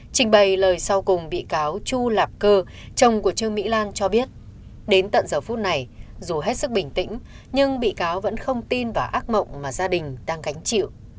trình bày lời sau cùng bị cáo chu lạc cơ chồng của trương mỹ lan cho biết đến tận giờ phút này dù hết sức bình tĩnh nhưng bị cáo vẫn không tin vào ác mộng mà gia đình đang gánh chịu